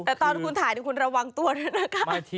แต่ตอนคุณถ่ายคุณระวังตัวด้วยนะคะ